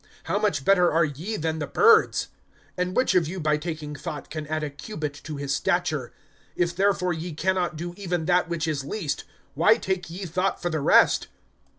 How much better are ye than the birds! (25)And which of you by taking thought can add a cubit to his stature[12:25]? (26)If therefore ye can not do even that which is least, why take ye thought for the rest?